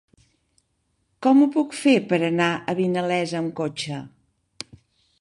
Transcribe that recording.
Com ho puc fer per anar a Vinalesa amb cotxe?